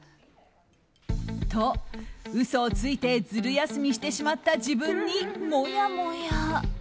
と、嘘をついてズル休みしてしまった自分にもやもや。